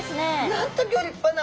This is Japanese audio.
なんとギョ立派な！